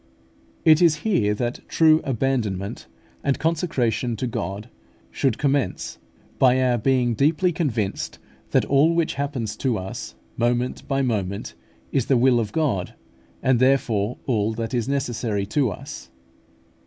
It is here that true abandonment and consecration to God should commence, by our being deeply convinced that all which happens to us moment by moment is the will of God, and therefore all that is necessary to us.